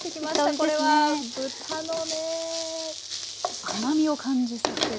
これは豚のね甘みを感じさせる。